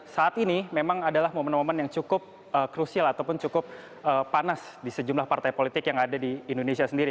saat ini memang adalah momen momen yang cukup krusial ataupun cukup panas di sejumlah partai politik yang ada di indonesia sendiri